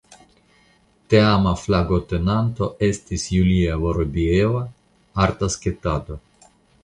Teama flagotenanto estis "Julia Vorobieva" (arta sketado).